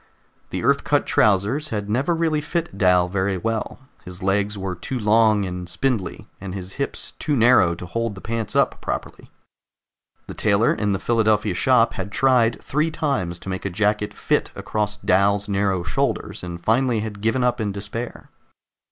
The Earth cut trousers had never really fit Dal very well; his legs were too long and spindly, and his hips too narrow to hold the pants up properly. The tailor in the Philadelphia shop had tried three times to make a jacket fit across Dal's narrow shoulders, and finally had given up in despair.